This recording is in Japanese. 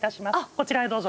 こちらへどうぞ。